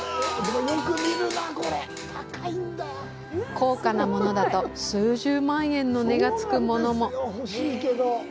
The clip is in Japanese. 高価なものだと数十万円の値がつくものも。